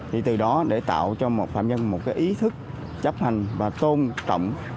thì từ đó để tạo cho một phạm nhân một cái ý thức chấp hành và tôn trọng